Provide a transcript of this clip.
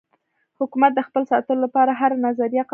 حکومت د خپل ساتلو لپاره هره نظریه قبلوي.